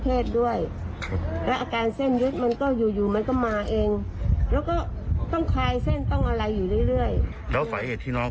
เขาทำเองหรือยังไง